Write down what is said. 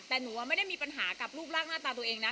แต่หนูไม่ได้มีปัญหากับรูปร่างหน้าตาตัวเองนะ